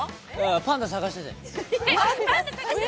パンダ探してて。